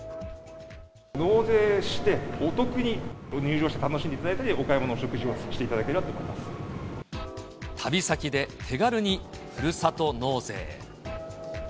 納税して、お得に入場して楽しんでいただいたり、お買い物、お食事をしてい旅先で手軽にふるさと納税。